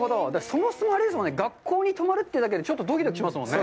そもそも、あれですもんね、学校に泊まるというだけでちょっとドキドキしますもんね。